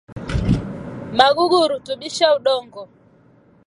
magugu hurutubisha udongo